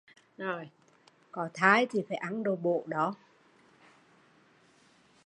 Có thai phải ăn đồ bổ